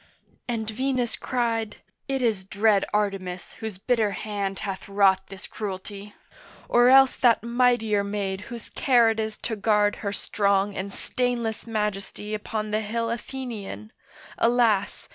And Venus cried, 'It is dread Artemis Whose bitter hand hath wrought this cruelty, Or else that mightier maid whose care it is To guard her strong and stainless majesty Upon the hill Athenian,—alas!